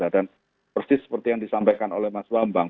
dan persis seperti yang disampaikan oleh mas bambang